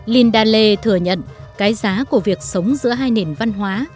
linda lê thừa nhận cái giá của việc sống giữa hai nền văn hóa